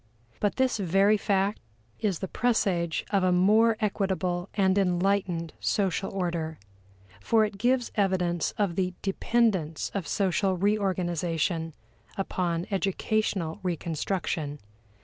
But this very fact is the presage of a more equitable and enlightened social order, for it gives evidence of the dependence of social reorganization upon educational reconstruction.